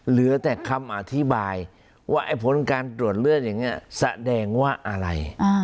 เหลือแต่คำอธิบายว่าไอ้ผลการตรวจเลือดอย่างนี้แสดงว่าอะไร